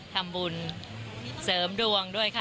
ทำบุญเสริมดวงด้วยค่ะ